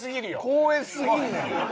光栄すぎんねん。